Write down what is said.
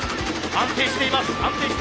安定しています。